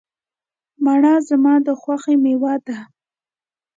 مڼه زما د خوښې مېوه ده.